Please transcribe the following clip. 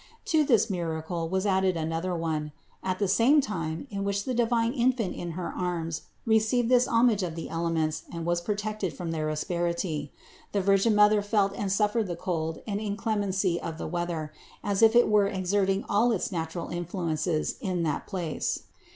To this miracle was added another one : at the same time in which the divine Infant in her arms received this homage of the elements and was protected from their asperity, the Virgin Mother felt and suffered the cold and in clemency of the weather as if it were exerting all its natural influences in that place.